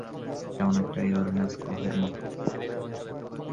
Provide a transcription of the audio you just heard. এটি অনেকটা ইউরেনাস গ্রহের মতো।